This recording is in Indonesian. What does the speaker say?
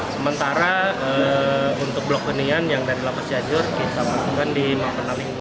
sementara untuk blok peningan yang dari lapas cianjur kita menemukan di map penali